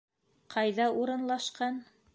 ... ҡайҙа урынлашҡан?